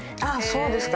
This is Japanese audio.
そうですか！